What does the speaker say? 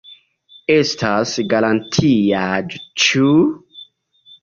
Estas garantiaĵo, ĉu?